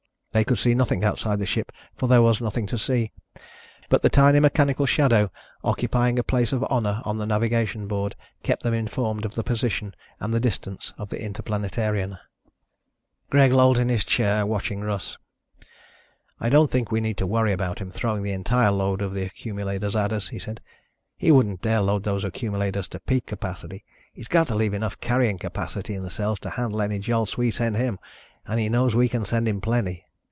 They could see nothing outside the ship, for there was nothing to see. But the tiny mechanical shadow, occupying a place of honor on the navigation board, kept them informed of the position and the distance of the Interplanetarian. Greg lolled in his chair, watching Russ. "I don't think we need to worry about him throwing the entire load of the accumulators at us," he said. "He wouldn't dare load those accumulators to peak capacity. He's got to leave enough carrying capacity in the cells to handle any jolts we send him and he knows we can send him plenty.